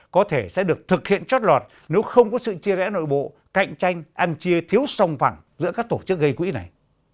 có thể sẽ được thực hiện trót lọt nếu không có sự chia rẽ nội bộ cạnh tranh ăn chia thiếu song phẳng giữa các tổ chức gây quỹ này